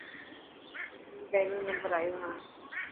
هون پهريون نمبر آيو هي.